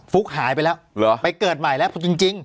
ุ๊กหายไปแล้วเหรอไปเกิดใหม่แล้วจริง